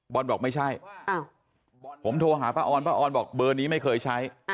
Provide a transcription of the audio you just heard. บอกไม่ใช่ผมโทรหาป้าออนป้าออนบอกเบอร์นี้ไม่เคยใช้